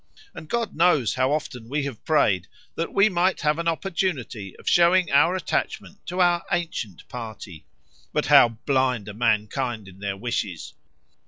And God knows how often we have prayed, that we might have an opportunity of showing our attachment to our ancient party. But how blind are mankind in their wishes!